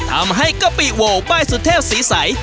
ทำให้กะปิโว้ป้ายสุเทพศรีใส